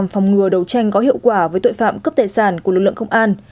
vừa đấu tranh có hiệu quả với tội phạm cướp tài sản của lực lượng công an